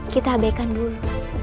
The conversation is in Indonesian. kita abaikan dulu